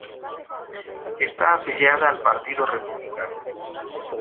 Está afiliada al Partido Republicano.